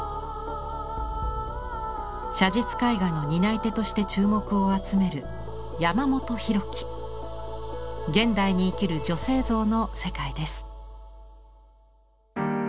写実絵画の担い手として注目を集める現代に生きる女性像の世界です。